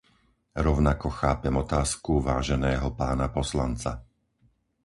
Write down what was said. Rovnako chápem otázku váženého pána poslanca.